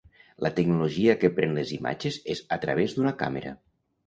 La tecnologia que pren les imatges és a través d'una càmera.